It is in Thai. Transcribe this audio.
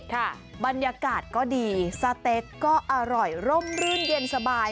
ค่ะบรรยากาศก็ดีสเต็กก็อร่อยร่มรื่นเย็นสบาย